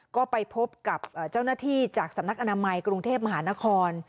ก็ไปพบกับเจ้าหน้าที่จากสำนักอนามัยกรุงเทพมหานคร